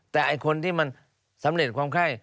แต่ไอ้คนที่มันสำเร็จความไข้